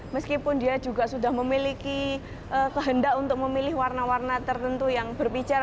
meskipun dia juga sudah memiliki kehendak untuk memilih warna warna tertentu yang berbicara